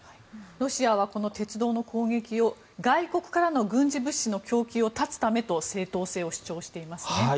ロシアはこの鉄道の攻撃を外国からの軍事物資の供給を絶つためと正当性を主張していますね。